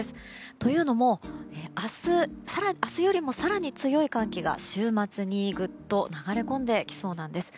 というのも、明日よりも更に強い寒気が週末にぐっと流れ込んできそうなんです。